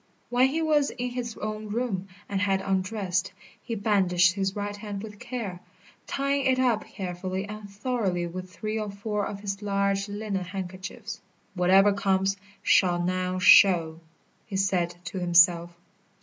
When he was in his own room and had undressed, he bandaged his right hand with care, tying it up carefully and thoroughly with three or four of his large linen handkerchiefs. "Whatever comes, shall now show," he said to himself.